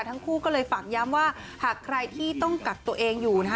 ทั้งคู่ก็เลยฝากย้ำว่าหากใครที่ต้องกักตัวเองอยู่นะคะ